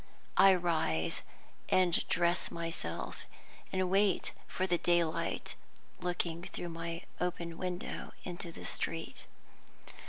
I rise and dress myself, and wait for the daylight, looking through my open window into the street.